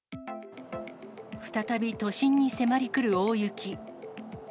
再び都心に迫り来る大雪。